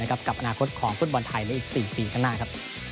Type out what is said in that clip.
กับอนาคตของฟุตบอลไทยในอีก๔ปีข้างหน้าครับ